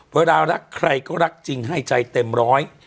รักใครก็รักจริงให้ใจเต็มร้อย